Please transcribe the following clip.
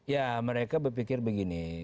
ya mereka berpikir begini